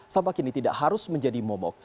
sampah kini tidak harus menjadi momok